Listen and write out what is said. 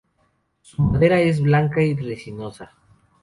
Su madera es blanca y resinosa.